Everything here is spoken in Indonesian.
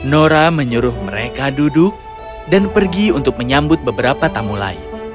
nora menyuruh mereka duduk dan pergi untuk menyambut beberapa tamu lain